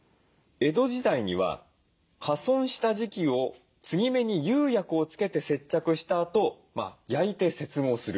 江戸時代には破損した磁器を継ぎ目に釉薬をつけて接着したあと焼いて接合する。